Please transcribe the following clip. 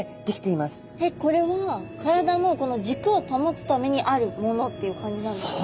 えっこれは体のじくを保つためにあるものっていう感じなんですか？